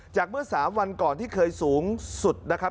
เมื่อ๓วันก่อนที่เคยสูงสุดนะครับ